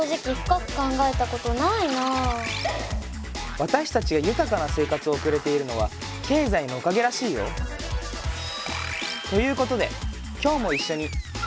私たちが豊かな生活を送れているのは経済のおかげらしいよ。ということで今日も一緒に楽しく学んでいきましょう！